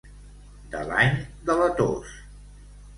De l'any de la tos.